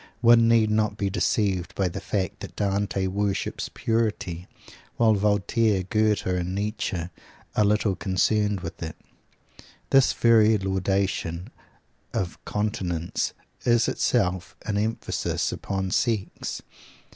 One need not be deceived by the fact that Dante worships "purity," while Voltaire, Goethe and Nietzsche are little concerned with it. This very laudation of continence is itself an emphasis upon sex.